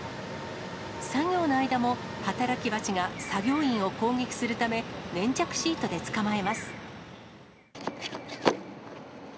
作業の間も働き蜂が作業員を攻撃するため、粘着シートで捕まえます。